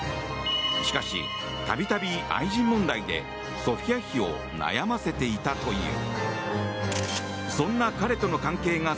しかし度々、愛人問題でソフィア妃を悩ませていたという。